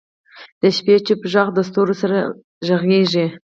د شپې چوپ ږغ د ستورو سره غږېږي.